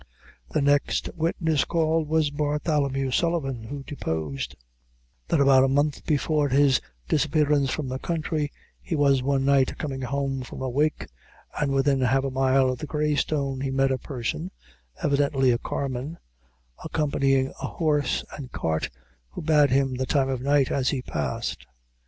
The next witness called was Bartholemew Sullivan, who deposed That about a month before his disappearance from the country, he was one night coming home from a wake, and within half a mile of the Grey Stone he met a person, evidently a carman, accompanying a horse and cart, who bade him the time of night as he passed.